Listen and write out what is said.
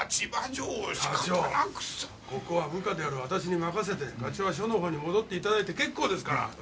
ここは部下である私に任せて課長は署の方に戻っていただいて結構ですから。